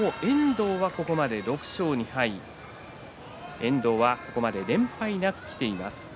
一方の遠藤はここまで６勝２敗遠藤は連敗なくきています。